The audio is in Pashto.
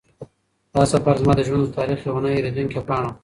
دا سفر زما د ژوند د تاریخ یوه نه هېرېدونکې پاڼه وه.